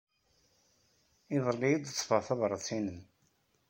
Iḍelli ay d-ḍḍfeɣ tabṛat-nnem.